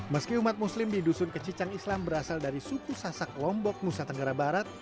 meski umat muslim di dusun kecicang islam berasal dari suku sasak lombok nusa tenggara barat